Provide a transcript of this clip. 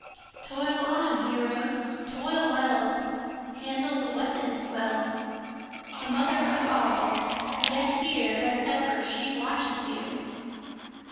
Toil on heroes! toil well! handle the weapons well! The Mother of All, yet here as ever she watches you.